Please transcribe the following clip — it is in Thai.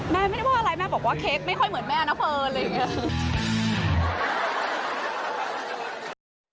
แม่ไม่ได้ว่าอะไรแม่บอกว่าเค้กไม่ค่อยเหมือนแม่นะเฟิร์นอะไรอย่างนี้